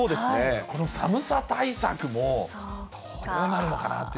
この寒さ対策も、どうなるのかなぁっていう。